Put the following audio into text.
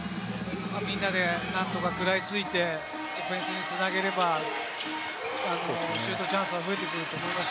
みんなで何とか食らいついてオフェンスに繋げればシュートチャンスは増えてくると思います。